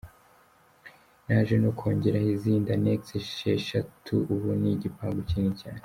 Naje no kongeraho izindi annex esheshatu, ubu ni igipangu kinini cyane.